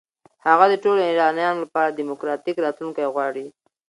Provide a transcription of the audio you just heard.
هغه د ټولو ایرانیانو لپاره دموکراتیک راتلونکی غواړي.